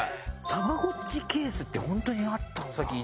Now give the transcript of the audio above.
たまごっちケースって本当にあったんだ。